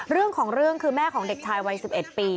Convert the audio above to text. เรื่องของเรื่องคือแม่ของเด็กชายวัย๑๑ปี